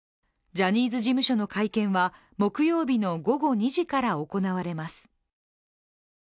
ジャニーズ事務所の会見は木曜日の午後２時から行われます。